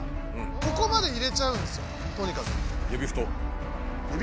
ここまで入れちゃうんですよとにかく。